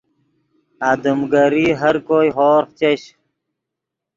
آدم گری ہر کوئے ہورغ چش